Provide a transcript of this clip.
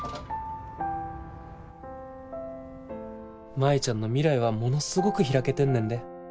舞ちゃんの未来はものすごく開けてんねんで。